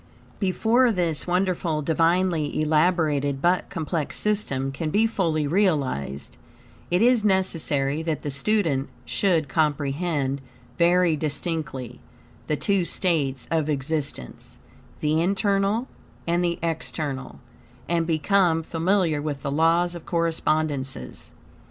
Before this wonderful, divinely elaborated, but complex system can be fully realized, it is necessary that the student should comprehend, very distinctly, the two states of existence, the internal and the external, and become familiar with the laws of correspondences.